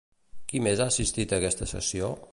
Qui més ha assistit a aquesta sessió?